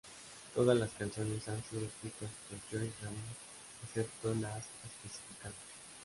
Todas las canciones han sido escritas por Joey Ramone excepto las especificadas.